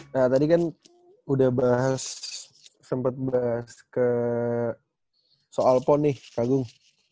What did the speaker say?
nah tadi kan udah bahas sempet bahas ke soal pon nih kagung